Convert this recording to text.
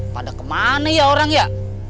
pada kemana ya orang ya